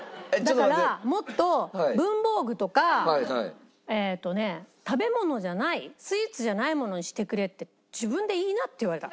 だからもっと文房具とかえーっとね食べ物じゃないスイーツじゃないものにしてくれって自分で言いなって言われた。